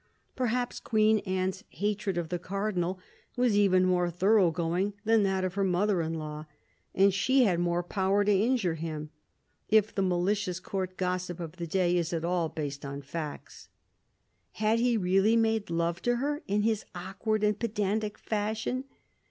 Perhaps Queen Anne's hatred of the Cardinal was even more thorough going than that of her mother in law ; and she had more power to injure him, if the malicious Court gossip of the day is at all based on facts. Had he really made love to her, in his awkward and pedantic fashion